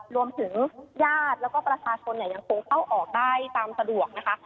รวมถึงญาติแล้วก็ประชาชนยังคงเข้าออกได้ตามสะดวกนะคะ